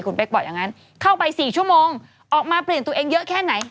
คุณเป๊กบอกอย่างนั้นเข้าไป๔ชั่วโมงออกมาเปลี่ยนตัวเองเยอะแค่ไหน